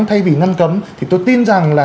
thay vì ngăn cấm thì tôi tin rằng là